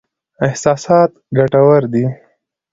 احساسات ګټور دي.